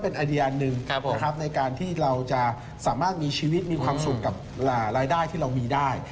เป็นไอเดียอันหนึ่งนะครับในการที่เราจะสามารถมีชีวิตมีความสุขกับรายได้ที่เรามีได้